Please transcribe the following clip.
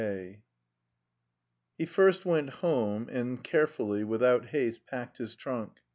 II He first went home, and carefully, without haste, packed his trunk.